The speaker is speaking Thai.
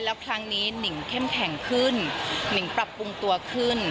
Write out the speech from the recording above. แล้วครั้งนี้หนิงเข้มแข็งขึ้นหนิงปรับปรุงตัวขึ้น